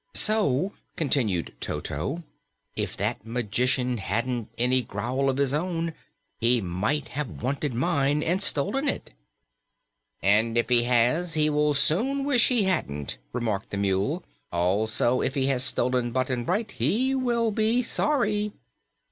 "So," continued Toto, "if that magician hadn't any growl of his own, he might have wanted mine and stolen it." "And if he has, he will soon wish he hadn't," remarked the Mule. "Also, if he has stolen Button Bright, he will be sorry."